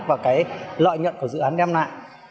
và cái lợi nhận của dự án đem lại